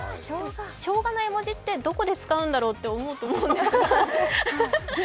しょうがの絵文字って、どこで使うんだろうと思うと思うんですけど。